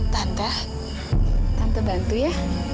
tante tante bantu ya